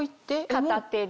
片手で。